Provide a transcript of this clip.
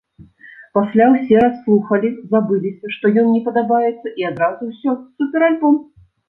Пасля ўсе расслухалі, забыліся, што ён не падабаецца, і адразу ўсё, суперальбом!